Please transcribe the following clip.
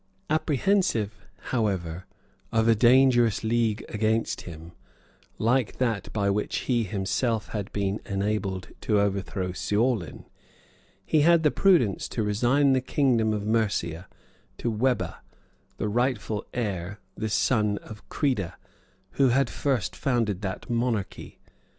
Apprehensive, however, of a dangerous league against him, like that by which he himself had been enabled to overthrow Ceaulin, he had the prudence to resign the kingdom of Mercia to Webba, the rightful heir, the son of Crida, who had first founded that monarchy.